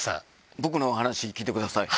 僕のお話聞いてください。